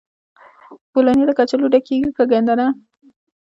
بولاني له کچالو ډکیږي که ګندنه؟